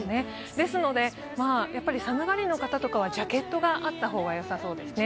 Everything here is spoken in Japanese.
ですので寒がりの方とかはジャケットがあった方がよさそうですね。